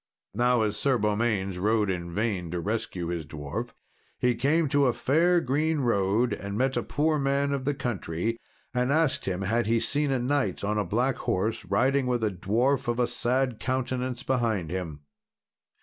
Now as Sir Beaumains rode in vain to rescue his dwarf, he came to a fair green road and met a poor man of the country, and asked him had he seen a knight on a black horse, riding with a dwarf of a sad countenance behind him.